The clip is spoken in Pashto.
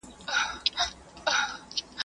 زه اوږده وخت پاکوالي ساتم وم؟